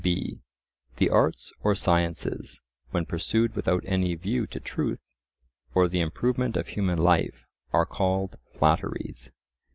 b. The arts or sciences, when pursued without any view to truth, or the improvement of human life, are called flatteries.